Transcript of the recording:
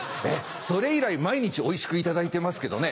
それ以来毎日おいしくいただいてますけどね。